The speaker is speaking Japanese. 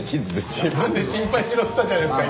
自分で心配しろって言ったじゃないですか